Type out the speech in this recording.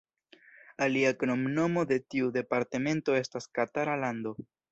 Alia kromnomo de tiu departemento estas Katara Lando.